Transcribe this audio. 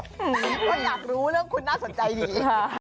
เพราะอยากรู้เรื่องคุณน่าสนใจดี